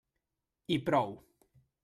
I prou.